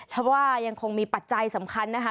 ถ้าว่ายังคงมีปัจจัยสำคัญนะคะ